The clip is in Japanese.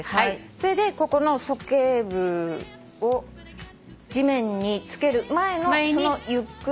それでここの鼠径部を地面につける前のゆっくり。